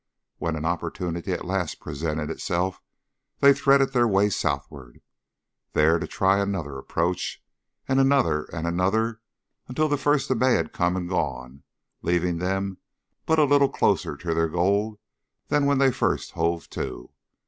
When an opportunity at last presented itself, they threaded their way southward, there to try another approach, and another, and another, until the first of May had come and gone, leaving them but little closer to their goal than when they first hove to.